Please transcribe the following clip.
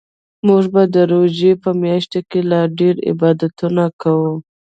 موږ به د روژې په میاشت کې لا ډیرعبادتونه کوو